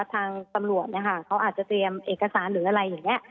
ทางตำรวจเนี่ยค่ะเขาอาจจะเตรียมเอกสารหรืออะไรอย่างนี้